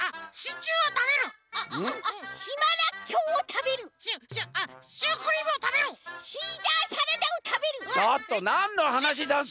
ちょっとなんのはなしざんすか？